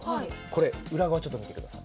これ裏側ちょっと見てください。